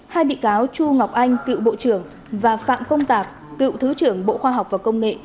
hai bị cáo chu ngọc anh cựu bộ trưởng và phạm công tạc cựu thứ trưởng bộ khoa học và công nghệ